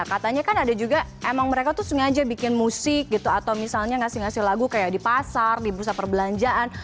katanya kan ada juga emang mereka tuh sengaja bikin musik gitu atau misalnya ngasih ngasih lagu kayak di pasar di pusat perbelanjaan